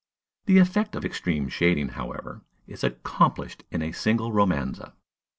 The effect of extreme shading, however, is accomplished in a single "romanza."